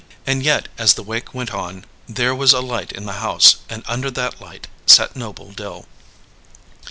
And yet, as the wake went on, there was a light in the house, and under that light sat Noble Dill.